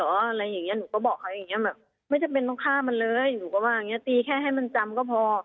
หนูก็บอกเขาอย่างเงี้ยแบบไม่จำเป็นต้องฆ่ามันเลยหนูก็บอกอย่างเงี้ยตีแค่ให้มันจำก็พอ